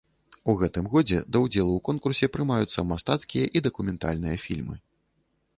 У гэтым годзе да ўдзелу ў конкурсе прымаюцца мастацкія і дакументальныя фільмы.